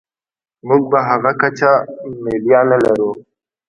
موږ په هغه کچه میډیا نلرو.